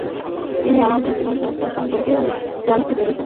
তিনি আমাদের জীবনযাত্রা সম্পর্কেও জানতে চেয়েছেন।